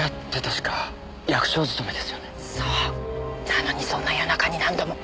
なのにそんな夜中に何度も。